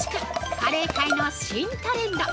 カレー界の新トレンド